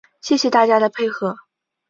谢谢大家的配合